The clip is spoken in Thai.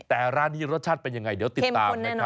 แต่ร้านนี้รสชาติเป็นยังไงเดี๋ยวติดตามนะครับ